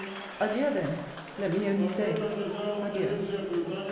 Adieu, then! Let me only say Adieu